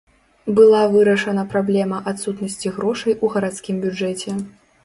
Была вырашана праблема адсутнасці грошай у гарадскім бюджэце.